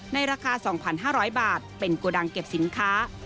ในราคา๒๕๐๐บาทเป็นโกดังเก็บสินค้า